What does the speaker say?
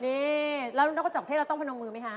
นี่แล้วต้องกระจอกเทศแล้วต้องพนมมือไหมฮะ